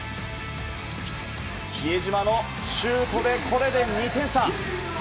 比江島のシュートで２点差。